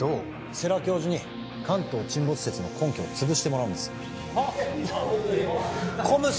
世良教授に関東沈没説の根拠をつぶしてもらうんですＣＯＭＳ